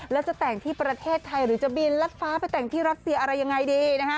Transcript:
แล้วจะแต่งที่ประเทศไทยหรือจะบินรัดฟ้าไปแต่งที่รัสเซียอะไรยังไงดีนะฮะ